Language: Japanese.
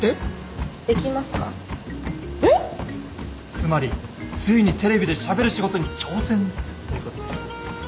つまりついにテレビでしゃべる仕事に挑戦ということです。